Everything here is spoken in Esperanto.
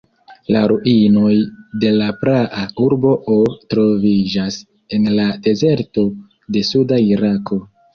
La ruinoj de la praa urbo Ur troviĝas en la dezerto de suda Irako.